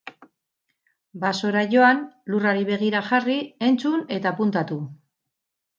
Basora joan, lurrari begira jarri, entzun eta apuntatu.